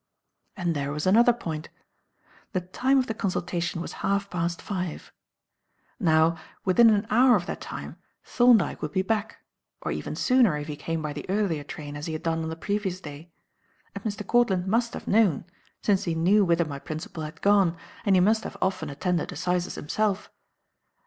And there was another point. The time of the consultation was half past five. Now within an hour of that time Thorndyke would be back or even sooner if he came by the earlier train as he had done on the previous day as Mr. Courtland must have known, since he knew whither my principal had gone, and he must have often attended assizes himself.